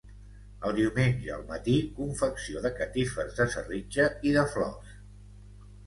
El diumenge al matí confecció de catifes de serritja i de flors.